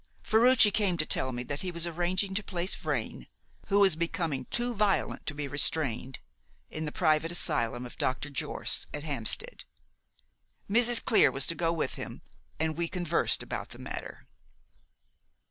Ferruci came to tell me that he was arranging to place Vrain who was becoming too violent to be restrained in the private asylum of Dr. Jorce, at Hampstead. Mrs. Clear was to go with him, and we conversed about the matter.